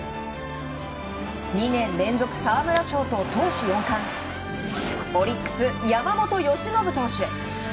２年連続、沢村賞と投手四冠オリックス山本由伸投手。